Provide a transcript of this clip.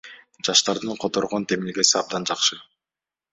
Жаштардын которгон демилгеси абдан жакшы.